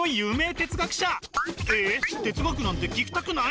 哲学なんて聞きたくない？